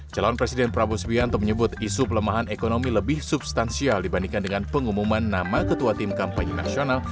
calon presiden prabowo sbianto menyebut isu pelemahan ekonomi lebih substansial dibandingkan dengan pengumuman nama ketua tim kampanye nasional